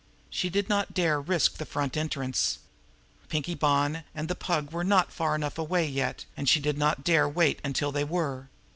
She did not dare risk the front entrance. Pinkie Bonn and the Pug were not far enough away yet, and she did not dare wait until they were.